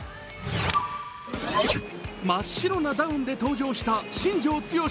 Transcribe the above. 真っ白なダウンで登場した新庄剛志